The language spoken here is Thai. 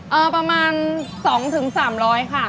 ประมาณ๒๓๐๐ค่ะ